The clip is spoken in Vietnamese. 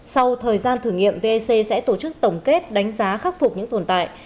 sau thời gian thử nghiệm vec sẽ tổ chức tổng kết đánh giá khắc phục những tồn tại